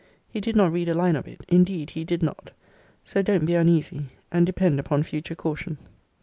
He did not read a line of it. Indeed he did not. So don't be uneasy. And depend upon future caution.